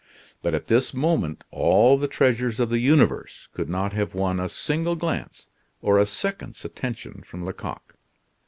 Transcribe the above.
But at this moment all the treasures of the universe could not have won a single glance or a second's attention from Lecoq.